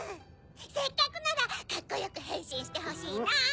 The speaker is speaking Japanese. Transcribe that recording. せっかくならカッコよくへんしんしてほしいな！